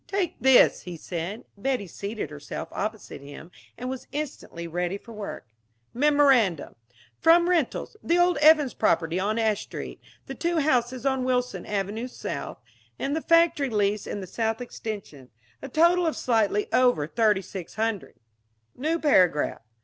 "Take this," he said... Betty seated herself opposite him, and was instantly ready for work. "... Memorandum. From rentals the old Evans property on Ash Street, the two houses on Wilson Avenue South, and the factory lease in the South Extension, a total of slightly over $3600. "New paragraph.